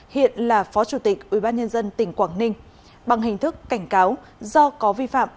hiện là phó chủ tịch ubnd tỉnh quảng ninh bằng hình thức cảnh cáo do có vi phạm